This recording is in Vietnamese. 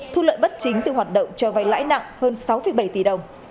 thu lợi bất chính từ hoạt động cho vay lãi nặng hơn sáu bảy tỷ đồng